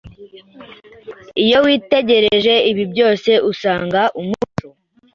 Iyo witegereje ibi byose, usanga umuco